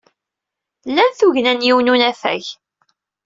Lan tugna n yiwen n unafag.